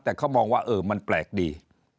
แต่เขามองว่าเออมันแปลกดี